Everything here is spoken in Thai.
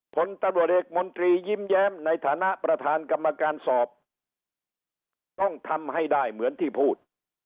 ผลตำรวจเอกมนตรียิ้มแย้มในฐานะประธานกรรมการสอบต้องทำให้ได้เหมือนที่พูด